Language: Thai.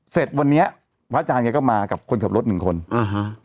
เสร็จวันนี้พระอาจารย์แกก็มากับคนขับรถหนึ่งคนอ่าฮะ